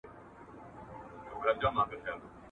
له بارانه وﻻړ سوې، تر ناوې لاندي کښېنستې.